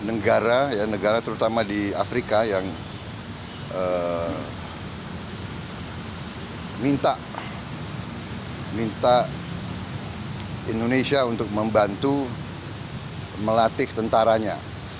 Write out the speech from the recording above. negara ya negara terutama di afrika yang minta indonesia untuk membantu melatih tentaranya